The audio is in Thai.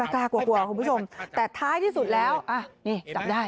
กล้ากลัวกลัวคุณผู้ชมแต่ท้ายที่สุดแล้วอ่ะนี่จับได้